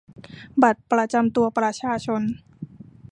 บัตรประจำตัวประชาชน